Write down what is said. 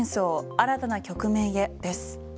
新たな局面へです。